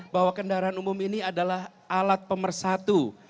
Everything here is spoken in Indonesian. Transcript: bahwa kendaraan umum ini adalah alat pemersatu